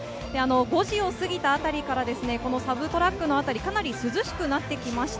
５時をすぎたあたりからそのトラックのあたり、かなり涼しくなってきました。